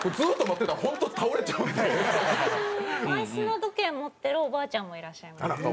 マイ砂時計持ってるおばあちゃんもいらっしゃいます。